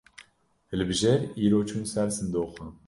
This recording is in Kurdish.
Hilbijêr, îro çûn ser sindoqan